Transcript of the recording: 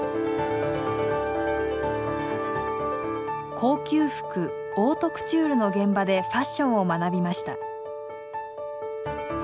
高級服オートクチュールの現場でファッションを学びました。